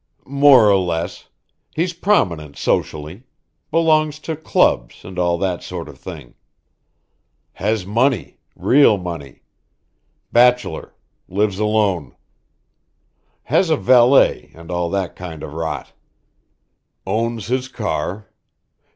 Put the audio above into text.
"More or less. He's prominent socially; belongs to clubs, and all that sort of thing. Has money real money. Bachelor lives alone. Has a valet, and all that kind of rot. Owns his car.